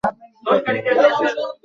তিনি গণিতে সহজাত প্রতিভা প্রদর্শন করেন।